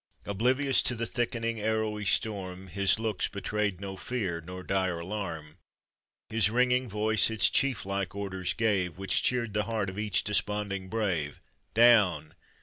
Oblivious to the thickening, arrowy storm, His looks betrayed no fear nor dire alarm, His ringing voice its chief like orders gave, Which cheered the heart of each desponding brave — "Down!